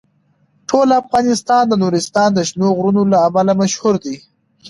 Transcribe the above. ټول افغانستان د نورستان د شنو غرونو له امله مشهور دی.